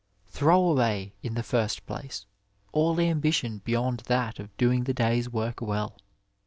Throw away, in the first place, all ambition beyond that of doing the day's work well.